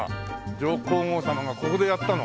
上皇后さまがここでやったの？